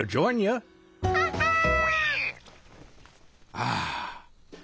ああ。